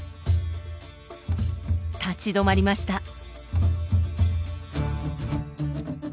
立ち止まりました。